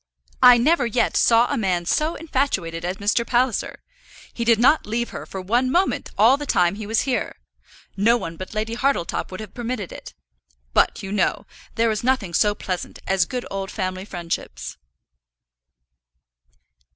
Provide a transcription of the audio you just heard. I never yet saw a man so infatuated as Mr. Palliser. He did not leave her for one moment all the time he was here. No one but Lady Hartletop would have permitted it. But, you know, there is nothing so pleasant as good old family friendships."